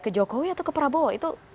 ke jokowi atau ke prabowo itu